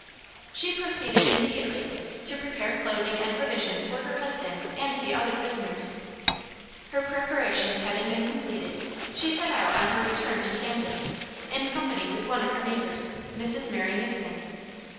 She proceeded immediately to prepare clothing and provisions for her husband and the other prisoners. Her preparations having been completed, she set out on her return to Camden, in company with one of her neighbors, Mrs. Mary Nixon.